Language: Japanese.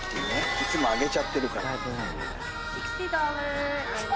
いつもあげちゃってるから。